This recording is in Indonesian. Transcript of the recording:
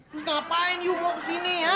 terus ngapain lu mau ke sini ya